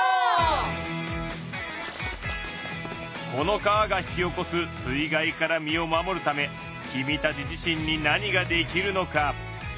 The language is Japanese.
この川が引き起こす水害から身を守るためキミたち自身に何ができるのか？